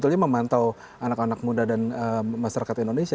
sebetulnya memantau anak anak muda dan masyarakat indonesia